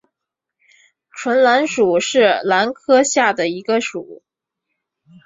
唇兰属是兰科下的一个属。